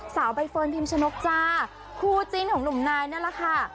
สาวแบร์ฟิล์นพิมป์ชนกคู่จิ้นของหนุ่มนายนั่นแหละค่ะ